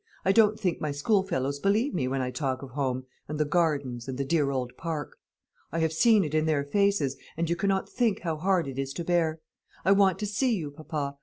I don't think my schoolfellows believe me when I talk of home, and the gardens, and the dear old park. I have seen it in their faces, and you cannot think how hard it is to bear. And I want to see you, papa.